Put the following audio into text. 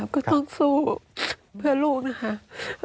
ก็ต้องสู้เพื่อลูกนะคะ